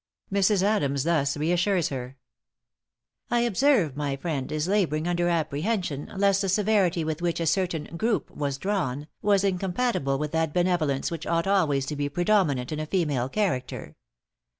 Mrs. Adams thus re assures her: "I observe my friend is laboring under apprehension, lest the severity with which a certain Group was drawn, was incompatible with that benevolence which ought always to be predominant in a female character.